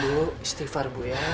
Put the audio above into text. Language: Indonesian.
ibu istighfar ya